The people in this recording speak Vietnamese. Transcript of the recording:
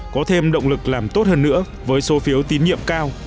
có thêm động lực làm tốt hơn nữa với số phiếu tín nhiệm cao